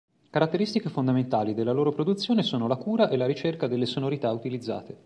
Caratteristiche fondamentali della loro produzione sono la cura e la ricerca delle sonorità utilizzate.